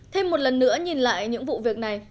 thêm một lần nữa nhìn lại những vụ việc này